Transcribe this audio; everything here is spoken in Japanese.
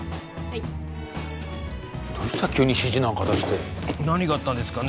いどうした急に指示なんか出して何があったのかね